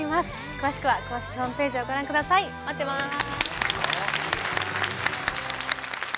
詳しくは公式ホームページをご覧ください待ってまーすと